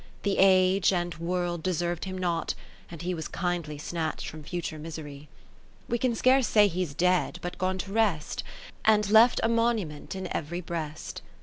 The Age and World deserv'd him not, and he Was kindly snatch'd from future misery. We can scarce say he's dead, but gone to rest, And left a monument in ev'ry breast.